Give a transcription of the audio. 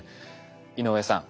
井上さん